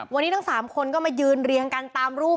วันนี้ทั้ง๓คนก็มายืนเรียงกันตามรูป